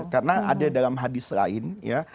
karena ada dalam hadis lain ya